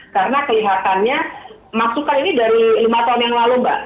karena kelihatannya masukkan ini dari lima tahun yang lalu mbak